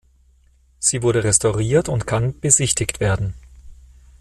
Sie wurde restauriert und kann besichtigt werden.